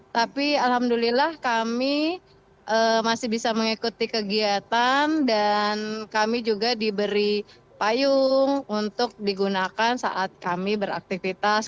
tapi alhamdulillah kami masih bisa mengikuti kegiatan dan kami juga diberi payung untuk digunakan saat kami beraktivitas